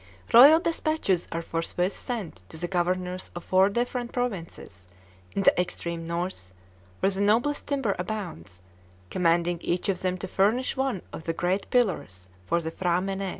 Royal despatches are forthwith sent to the governors of four different provinces in the extreme north, where the noblest timber abounds, commanding each of them to furnish one of the great pillars for the P'hra mène.